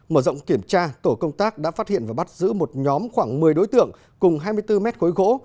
mở rộng kiểm tra tổ công tác đã phát hiện và bắt giữ một nhóm khoảng một mươi đối tượng cùng hai mươi bốn mét khối gỗ